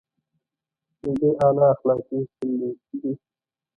يو ډېر اعلی اخلاقي اصول دی.